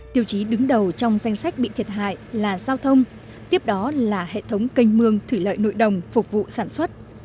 tiêu chí đứng đầu trong danh sách bị thiệt hại là giao thông tiếp đó là hệ thống canh mương thủy lợi nội đồng phục vụ sản xuất